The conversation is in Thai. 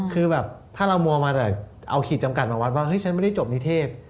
คือแบบถ้าเรามัวมาแต่เอาขีดจำกัดมาวัดว่าเฮ้ยฉันไม่ได้จบนิเทพ